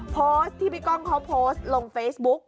โพสต์ที่พี่ก้องเขาโพสต์ลงเฟซบุ๊ก